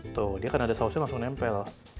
tuh dia kan ada sausnya langsung nempel